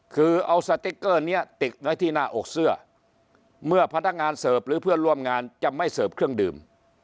คือเอาสติ๊กเกอร์นี้ติดไว้ที่หน้าอกเสื้อเมื่อพนักงานเสิร์ฟหรือเพื่อนร่วมงานจะไม่เสิร์ฟเครื่องดื่ม